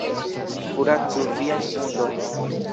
Kuracu viajn vundojn.